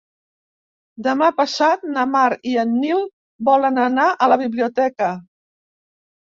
Demà passat na Mar i en Nil volen anar a la biblioteca.